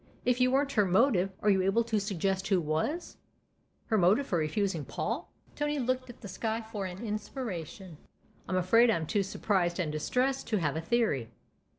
" If you weren't her motive are you able to suggest who was ?"" Her motive for refusing Paul ?" Tony looked at the sky for an inspiration. " I'm afraid I'm too surprised and distressed to have a theory."